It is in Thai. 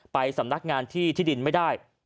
ไปสำนักงานที่ที่ดินไม่ได้